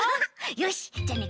よしじゃあね